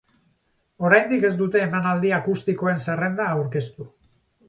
Oraindik ez dute emanaldi akustikoen zerrenda aurkeztu.